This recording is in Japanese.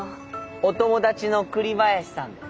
お友達の栗林さんです。